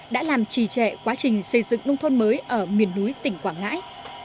đã làm trì trệ quá trình xây dựng nông thôn mới ở miền núi tỉnh quảng ngãi